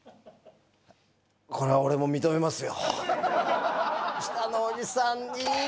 これは俺も認めますよ。